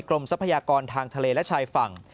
ทรัพยากรทางทะเลและชายฝั่ง